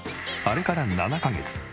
あれから７カ月